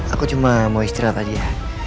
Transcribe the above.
aku cuma mau istirahat aja